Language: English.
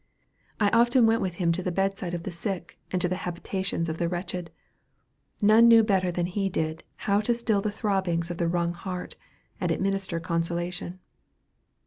I often went with him to the bed side of the sick, and to the habitations of the wretched. None knew better than he did, how to still the throbbings of the wrung heart, and administer consolation.